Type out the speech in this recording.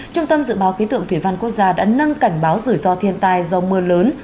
trung tâm dự báo khí tượng thủy văn quốc gia đã nâng cảnh báo rủi ro thiên tai do mưa lớn